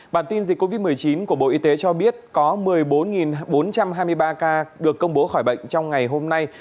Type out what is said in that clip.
bản tin dịch covid một mươi chín của bộ y tế cho biết có một mươi bốn bốn trăm hai mươi ba ca được công bố khỏi bệnh trong ngày hôm nay